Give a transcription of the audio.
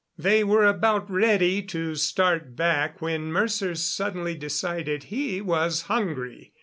They were about ready to start back, when Mercer suddenly decided he was hungry.